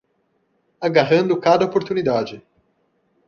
Agarrando cada oportunidade